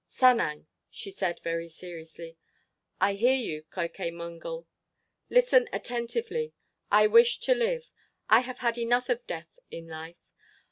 "Sanang," she said very seriously. "I hear you, Keuke Mongol." "Listen attentively. I wish to live. I have had enough of death in life.